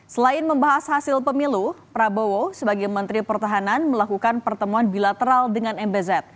selain membahas hasil pemilu prabowo sebagai menteri pertahanan melakukan pertemuan bilateral dengan mbz